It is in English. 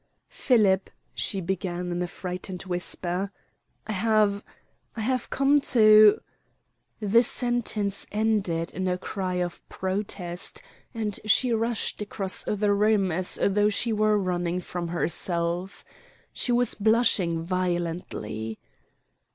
"Philip," she began in a frightened whisper, "I have I have come to " The sentence ended in a cry of protest, and she rushed across the room as though she were running from herself. She was blushing violently.